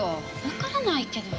わからないけど。